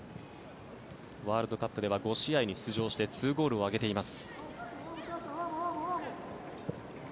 ワールドカップでは５試合に出場して２ゴールを挙げています。